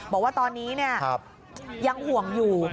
บอกว่าตอนนี้ยังห่วงอยู่